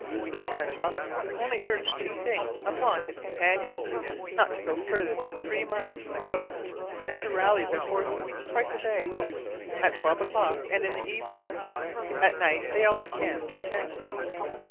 Lieutenant Hobson only urged two things upon his companions not to go further than three miles from the coast, and to rally their forces twice a day, at twelve o'clock and in the evening. At night they all encamped in tents.